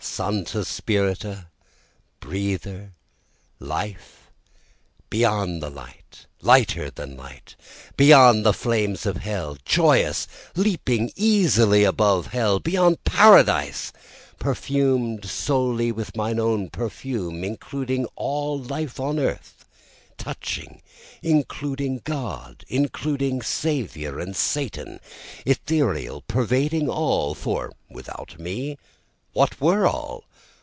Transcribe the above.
4 Santa Spirita, breather, life, Beyond the light, lighter than light, Beyond the flames of hell, joyous, leaping easily above hell, Beyond Paradise, perfumed solely with mine own perfume, Including all life on earth, touching, including God, including Saviour and Satan, Ethereal, pervading all, (for without me what were all?